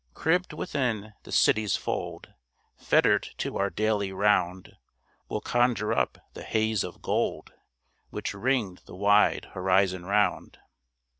Cribbed within the city's fold, Fettered to our daily round, We'll conjure up the haze of gold Which ringed the wide horizon round.